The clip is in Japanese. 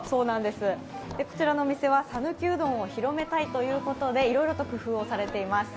こちらのお店は讃岐うどんを広めたいということで、いろいろと工夫をされています。